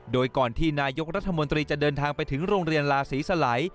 โดยก่อนที่นายกรัฐมนตรีจะเดินทางไปถึงโรงเรียนลาศรีสลัย